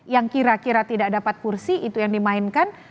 yang kira kira tidak dapat kursi itu yang dimainkan